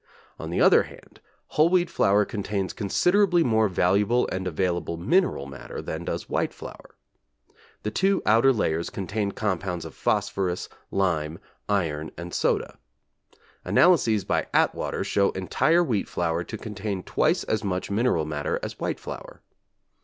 On the other hand whole wheat flour contains considerably more valuable and available mineral matter than does white flour. The two outer layers contain compounds of phosphorus, lime, iron, and soda. Analyses by Atwater show entire wheat flour to contain twice as much mineral matter as white flour.